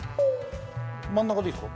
真ん中でいいですか？